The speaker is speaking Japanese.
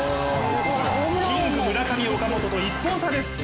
キング・村上岡本と２本差です。